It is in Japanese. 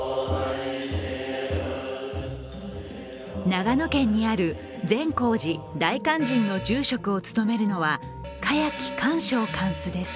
長野県にある善光寺大勧進の住職を務めるのは、栢木寛照貫主です。